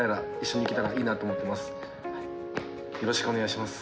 よろしくお願いします。